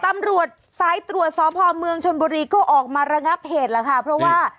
ตำรวจสายตรวจสพเมืองชนบุรีก็ออกมาระงับเหตุแล้วค่ะเพราะว่า